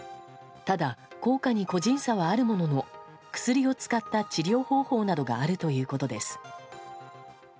ただ効果に個人差はあるものの薬を使った治療方法などがあるということです。